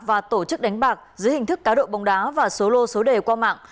và tổ chức đánh bạc dưới hình thức cáo độ bông đá và số lô số đề qua mạng